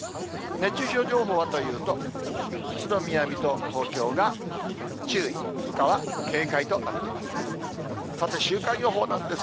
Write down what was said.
熱中症情報はというと、宇都宮、水戸、東京が注意、ほかは警戒となっています。